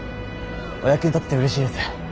お役に立ててうれしいです。